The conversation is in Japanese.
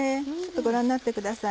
ご覧になってください。